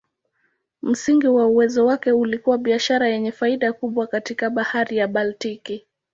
Msingi wa uwezo wake ulikuwa biashara yenye faida kubwa katika Bahari ya Baltiki.